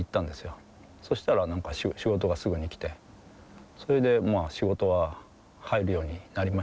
そしたら仕事がすぐに来て仕事は入るようになりましたね